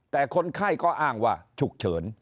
แต่คนไข้ก็อ้างว่าฉุกเฉิน